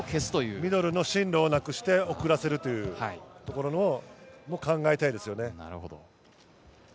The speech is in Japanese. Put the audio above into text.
ミドルの進路をなくして遅らせるっていうところも考えたいですね。